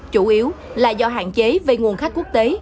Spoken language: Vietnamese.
chủ yếu là do hạn chế về nguồn khách quốc tế